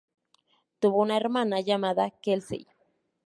Tuvo una hermana llamada Kelsey.